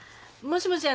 もしもし。